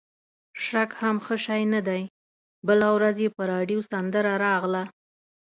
شک هم ښه شی نه دی، بله ورځ یې په راډیو سندره راغله.